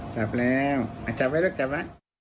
จับแล้วจับไว้แล้วจับไว้